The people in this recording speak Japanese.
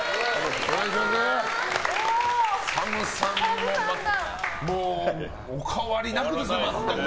ＳＡＭさんは、もうお変わりなくですね、全く。